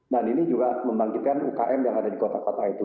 dan ini juga membangkitkan ukm yang ada di kota kota itu